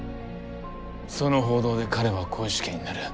その報道で彼は絞首刑になる。